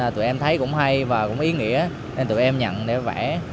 tụi em thấy cũng hay và cũng ý nghĩa nên tụi em nhận để vẽ